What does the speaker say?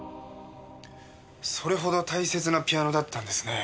それほど大切なピアノだったんですね。